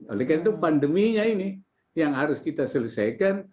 oleh karena itu pandeminya ini yang harus kita selesaikan